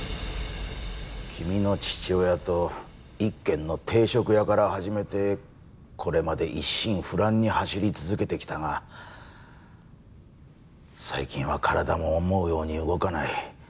君の父親と一軒の定食屋から始めてこれまで一心不乱に走り続けてきたが最近は体も思うように動かない。